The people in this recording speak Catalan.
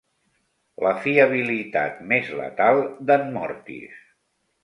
La fiabilitat més letal d'en Mortis.